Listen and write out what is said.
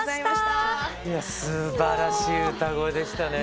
いやすばらしい歌声でしたね。